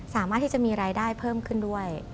สามารถที่จะมีรายได้เพิ่มขึ้นด้วย